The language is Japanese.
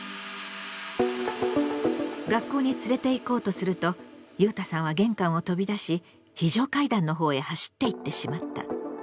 学校に連れていこうとするとゆうたさんは玄関を飛び出し非常階段の方へ走っていってしまった。